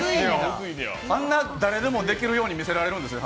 あんな誰でもできるように見せられるんですね。